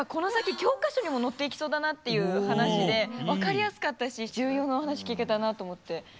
教科書にも載っていきそうだなっていう話で分かりやすかったし重要なお話聞けたなと思って。